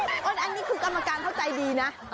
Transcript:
อันนี้คือกรรมการเข้าใจดีนะ